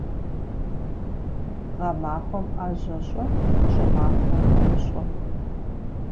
Гъэмахуэм Ӏэжьэ щӀы, щӀымахуэм гу щӀы.